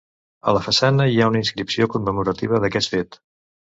A la façana hi ha una inscripció commemorativa d'aquest fet.